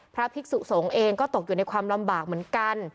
พระภิกษุสงฆ์เองก็ตกอยู่ในความลำบากเหมือนกัน